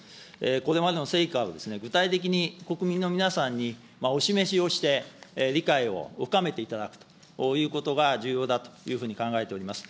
これまでの成果を具体的に国民の皆さんにお示しをして、理解を深めていただくということが重要だというふうに考えております。